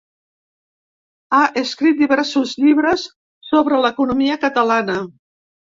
Ha escrit diversos llibres sobre l’economia catalana.